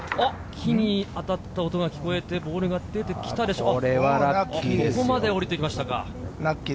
木に当たった音が聞こえて、ボールが出てきたでしょうか。